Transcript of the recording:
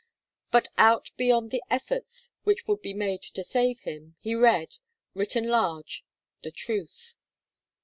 But out beyond the efforts which would be made to save him, he read written large the truth.